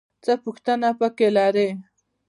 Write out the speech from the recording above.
څه پوښتنه پکې لرې؟